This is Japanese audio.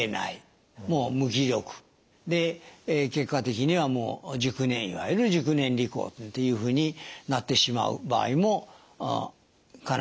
で結果的にはいわゆる熟年離婚というふうになってしまう場合もかなりありえます。